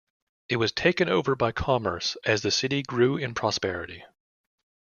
It was taken over by commerce as the city grew in prosperity.